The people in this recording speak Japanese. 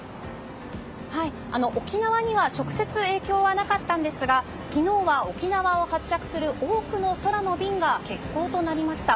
沖縄には直接、影響はなかったんですが昨日は沖縄を発着する多くの空の便が欠航となりました。